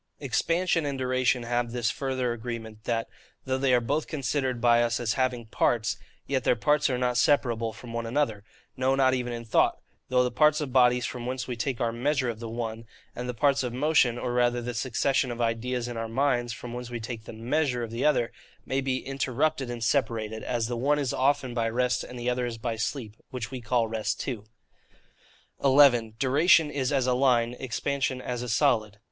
Expansion and duration have this further agreement, that, though they are both considered by us as having parts, yet their parts are not separable one from another, no not even in thought: though the parts of bodies from whence we take our MEASURE of the one; and the parts of motion, or rather the succession of ideas in our minds, from whence we take the MEASURE of the other, may be interrupted and separated; as the one is often by rest, and the other is by sleep, which we call rest too. 11. Duration is as a Line, Expansion as a Solid.